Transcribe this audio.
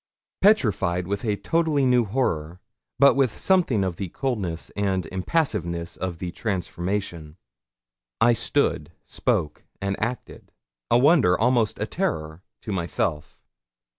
Petrified with a totally new horror, but with something of the coldness and impassiveness of the transformation, I stood, spoke, and acted a wonder, almost a terror, to myself.